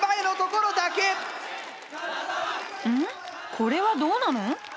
これはどうなの？